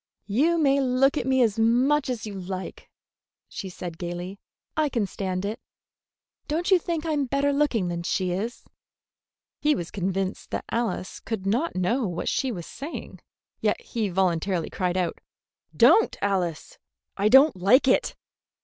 "You may look at me as much as you like," she said gayly. "I can stand it. Don't you think I am better looking than she is?" He was convinced that Alice could not know what she was saying, yet he involuntarily cried out: "Don't, Alice! I don't like it!"